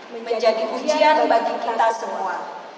menjadi ujian bagi kita semua